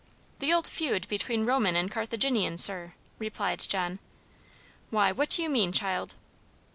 "The old feud between Roman and Carthaginian, sir," replied John. "Why, what do you mean, child?"